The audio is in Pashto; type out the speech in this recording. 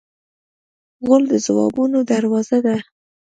غول د ځوابونو دروازه ده.